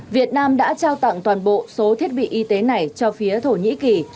việt nam đã trao tặng toàn bộ số thiết bị y tế này cho phía thổ nhĩ kỳ